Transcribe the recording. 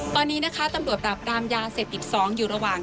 ตอนนี้นะคะตำรวจปราบรามยาเสพติด๒อยู่ระหว่าง